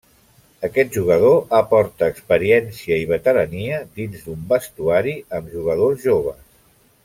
Aquest jugador aporta experiència i veterania dins d'un vestuari amb jugadors joves.